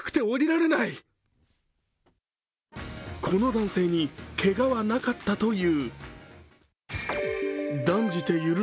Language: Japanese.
この男性にけがはなかったという。